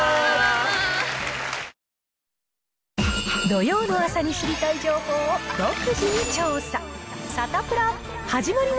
土曜の朝に知りたい情報を独自に調査。